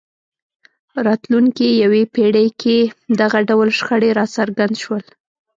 راتلونکې یوې پېړۍ کې دغه ډول شخړې راڅرګند شول.